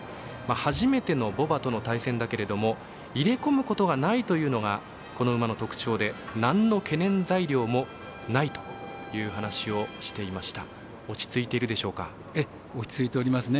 初めての牡馬との対戦だけれどもイレ込むことがないというのがこの馬の特徴でなんの懸念材料もないという話をしていました。